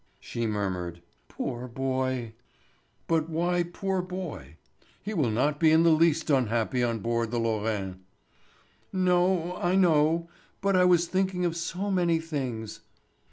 She murmured: "Poor boy!" "But why 'poor boy'? He will not be in the least unhappy on board the Lorraine." "No—I know. But I was thinking of so many things."